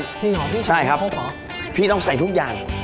จริงเหรอพี่ทั้งครบเหรอใช่ครับพี่ต้องใส่ทุกอย่าง